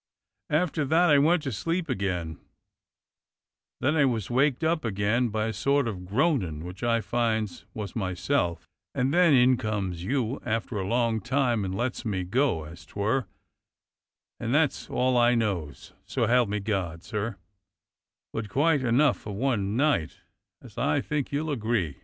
After that I went to sleep again; then I was waked up again by a sort of groanin', which I finds was myself, and then in comes you after a long time and lets me go, as 'twere, and that's all I knows, so help me God, sir; but quite enough for one night, as I thinks you'll agree."